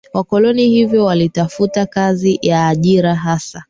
wakoloni hivyo walitafuta kazi ya ajira Hasa